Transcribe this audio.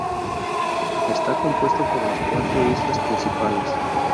Está compuesto por las cuatro islas principales.